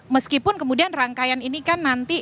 meskipun kemudian rangkaian ini kan nanti